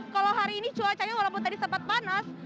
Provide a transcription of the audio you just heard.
kalau hari ini cuacanya walaupun tadi sempat panas